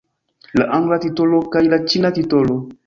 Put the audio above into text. La angla titolo kaj la ĉina titolo.